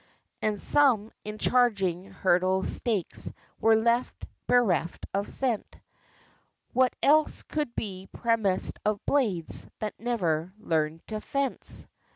And some, in charging hurdle stakes, Were left bereft of sense What else could be premised of blades That never learned to fence?